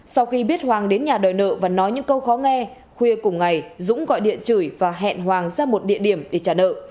sau khi biết hoàng đến nhà đòi nợ và nói những câu khó nghe khuya cùng ngày dũng gọi điện chửi và hẹn hoàng ra một địa điểm để trả nợ